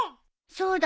そうだ。